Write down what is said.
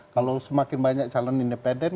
kalau semakin banyak calon independen